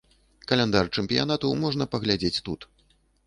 Каляндар чэмпіянату можна паглядзець тут.